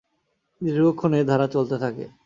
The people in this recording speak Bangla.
দীর্ঘক্ষণ এ ধারা চলতে থাকে।